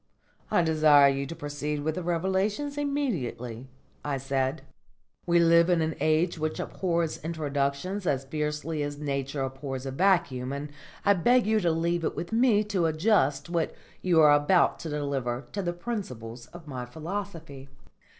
"I desire you to proceed with the revelations immediately," I said. "We live in an age which abhors introductions as fiercely as Nature abhors a vacuum, and I beg you to leave it with me to adjust what you are about to deliver to the principles of my philosophy."